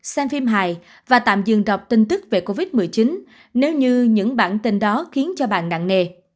xem phim hài và tạm dừng đọc tin tức về covid một mươi chín nếu như những bản tin đó khiến cho bạn nặng nề